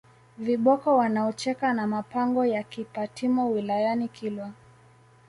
viboko wanaocheka na mapango ya Kipatimo wilayani Kilwa